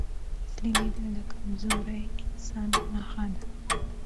تسليمېدل د کمزوري انسان نښه ده.